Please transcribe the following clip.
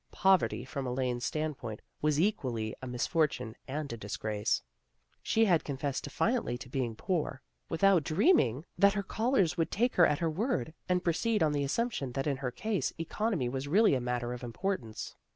Poverty, from Elaine's standpoint, was equally a mis fortune and a disgrace. She had confessed defiantly to being poor, without dreaming that 96 THE GIRLS OF FRIENDLY TERRACE her callers would take her at her word, and proceed on the assumption that in her case economy was really a matter of importance.